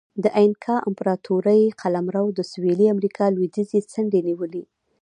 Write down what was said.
د اینکا امپراتورۍ قلمرو د سویلي امریکا لوېدیځې څنډې نیولې.